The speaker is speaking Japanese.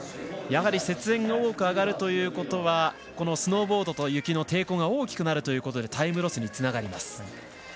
雪煙が多く上がるということはスノーボードと雪の抵抗が大きくなるということでタイムロスにつながります。